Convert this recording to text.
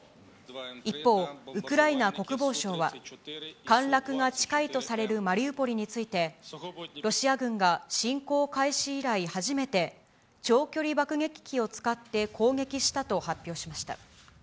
一方、ウクライナ国防省は、陥落が近いとされるマリウポリについて、ロシア軍が侵攻開始以来初めて、長距離爆撃機を使って攻撃したと発表しました。